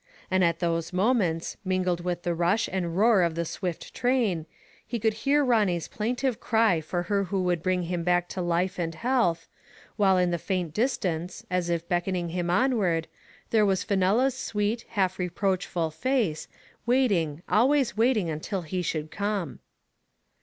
And at those moments, mingled with the rush and roar of the swift train, he could hear Ronny's plaintive cry for her who would bring him back to life and health, while in the faint distance, as if beckoning him onward, there was Fenella's sweet, half reproachful face, wait ing, always waiting until he should come.